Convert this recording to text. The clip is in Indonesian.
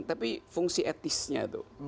tapi fungsi etnisnya